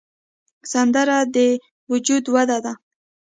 سندره د وجد وده ده